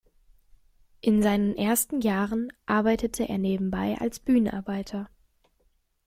In seinen ersten Jahren arbeitete er nebenbei als Bühnenarbeiter.